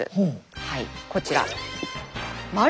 はいこちら。